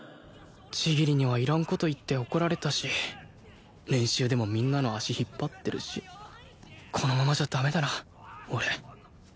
千切にはいらん事言って怒られたし練習でもみんなの足引っ張ってるしこのままじゃ駄目だな俺